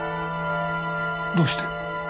どうして？